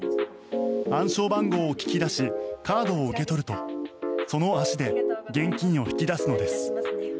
暗証番号を聞き出しカードを受け取るとその足で現金を引き出すのです。